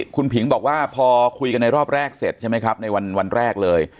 คุณผิงบอกว่าพอคุยกันในรอบแรกเสร็จใช่ไหมครับในวันแรกเลย